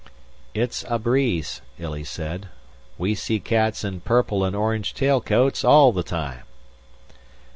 "It's a breeze," Illy said. "We see cats in purple and orange tailcoats all the time."